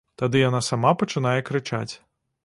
Тады яна сама пачынае крычаць.